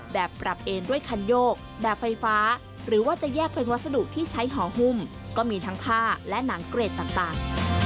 แบบปรับเอนด้วยคันโยกแบบไฟฟ้าหรือว่าจะแยกเป็นวัสดุที่ใช้หอหุ้มก็มีทั้งผ้าและหนังเกรดต่าง